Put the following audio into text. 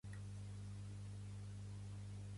Va tocar sol en el vídeo de la cançó.